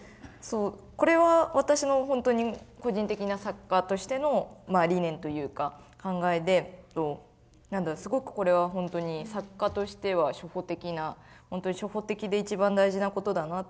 これは私のほんとに個人的な作家としての理念というか考えですごくこれはほんとに作家としては初歩的なほんとに初歩的で一番大事なことだなって